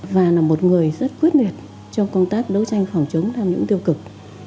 và là một người rất quyết liệt trong công tác đấu tranh phòng chống tham nhũng tiêu cực